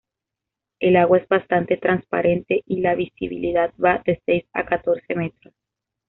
El agua es bastante transparente y la visibilidad va de seis a catorce metros.